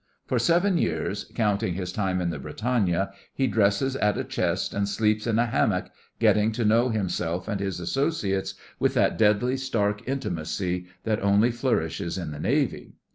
For seven years, counting his time in the Britannia, he dresses at a chest and sleeps in a hammock, getting to know himself and his associates with that deadly stark intimacy that only flourishes in the Navy.